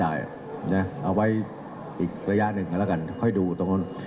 เอาไว้อีกรายการหนึ่งเดี๋ยวล่ะกันค่อยดูตรงนั้น